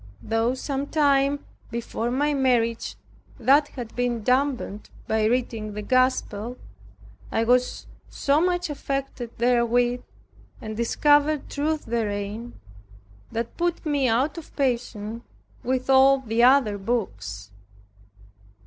Though some time before my marriage that had been dampened by reading the Gospel, I was so much affected therewith, and discovered truth therein, that put me out of patience with all the other books.